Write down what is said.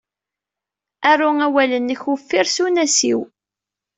Aru awal-nnek uffir s unasiw.